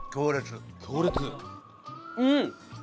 うん！